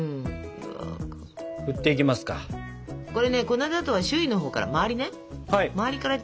これね粉砂糖は周囲のほうから周りね